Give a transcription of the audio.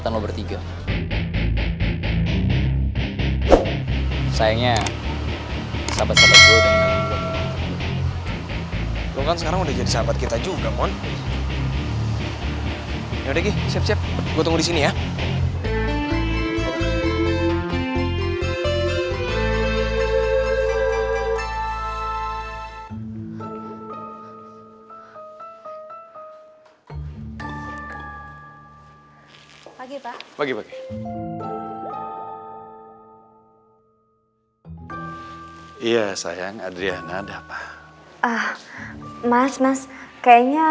kita bisa cari duit dengan cara yang lain kok